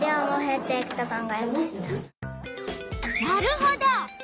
なるほど。